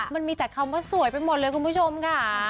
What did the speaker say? มันมีแต่คำว่าสวยไปหมดเลยคุณผู้ชมค่ะ